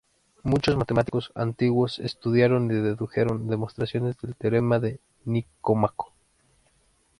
Muchos matemáticos antiguos estudiaron y dedujeron demostraciones del teorema de Nicómaco.